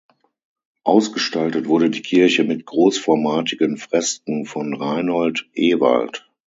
Ausgestaltet wurde die Kirche mit großformatigen Fresken von Reinhold Ewald.